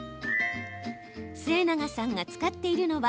末永さんが使っているのは